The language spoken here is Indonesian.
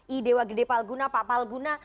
i dewa gede palguna pak palguna